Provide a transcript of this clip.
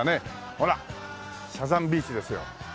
ほらサザンビーチですよ。